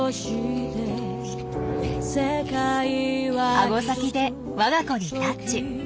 アゴ先でわが子にタッチ。